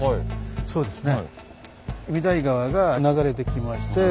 そうですね。